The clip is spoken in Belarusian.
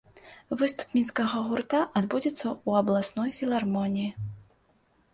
Выступ мінскага гурта адбудзецца ў абласной філармоніі.